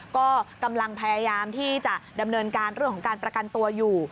ก็กำลังพยายามที่จะดำเนินการเรื่องของการประกันตัวอยู่